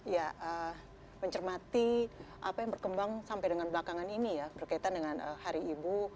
ya mencermati apa yang berkembang sampai dengan belakangan ini ya berkaitan dengan hari ibu